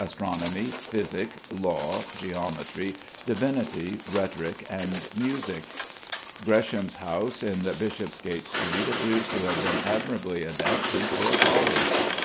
astronomy, physic, law, geometry, divinity, rhetoric, and music. Gresham's house in Bishopsgate Street appears to have been admirably adapted for a college.